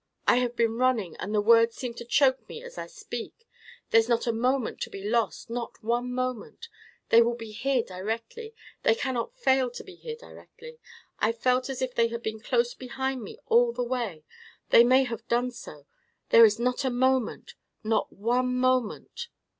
I have been running, and the words seem to choke me as I speak. There's not a moment to be lost, not one moment. They will be here directly; they cannot fail to be here directly. I felt as if they had been close behind me all the way—they may have been so. There is not a moment—not one moment!"